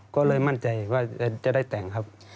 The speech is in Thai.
ก็เลยมั่นใจว่าจะได้แต่งครับ